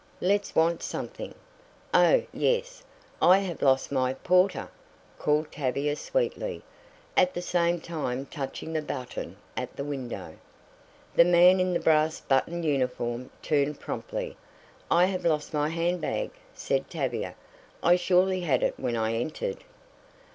Let's want something. Oh, yes. I have lost my 'Porter!'" called Tavia sweetly, at the same time touching the button at the window. The man in the brass buttoned uniform turned promptly. "I have lost my hand bag," said Tavia. "I surely had it when I entered."